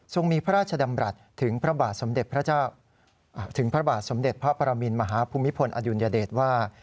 ทรงมีพระราชดำรัฐถึงพระบาทสมเด็จพระประมินมหาภูมิพลอดิวนยเดชว่า